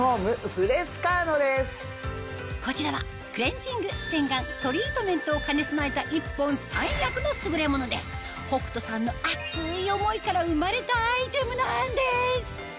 こちらはクレンジング洗顔トリートメントを兼ね備えた１本３役の優れもので北斗さんの熱い思いから生まれたアイテムなんです